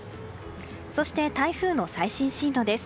そして、台風の最新進路です。